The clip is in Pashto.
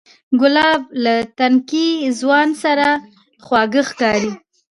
ګلاب له تنکي ځوان سره خواږه ښکاري.